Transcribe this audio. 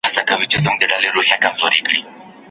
یو څه له پاسه یو څه له ځانه